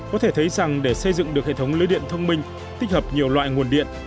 có thể thấy rằng để xây dựng được hệ thống lưới điện thông minh tích hợp nhiều loại nguồn điện